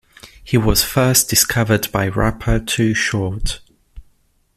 He was first discovered by rapper Too Short.